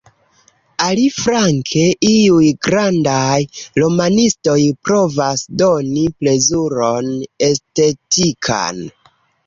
Aliflanke, iuj grandaj romanistoj provas doni plezuron estetikan.